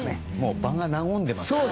場が和んでいますからね。